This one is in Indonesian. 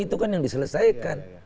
itu kan yang diselesaikan